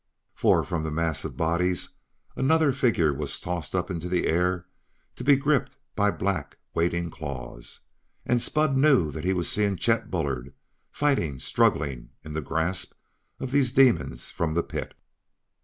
For, from the mass of bodies, another figure was tossed up into the air to be gripped by black, waiting claws and Spud knew that he was seeing Chet Bullard, fighting, struggling, in the grasp of these demons from the Pit.